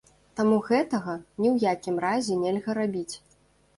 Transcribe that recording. Таму гэтага ні ў якім разе нельга рабіць.